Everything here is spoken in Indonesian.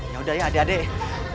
yaudah ya adek adek